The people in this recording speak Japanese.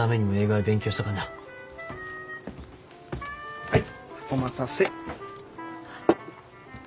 はいお待たせ。